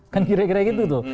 kan kira kira gitu tuh